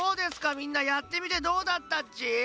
みんなやってみてどうだったっち？